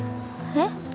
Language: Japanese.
えっ？